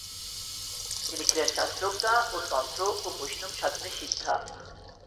তিনি ছিলেন শাস্ত্রজ্ঞা ও তন্ত্র ও বৈষ্ণব সাধনে সিদ্ধা।